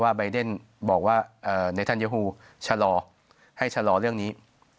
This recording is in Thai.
ใบเดนบอกว่าในธัญฮูชะลอให้ชะลอเรื่องนี้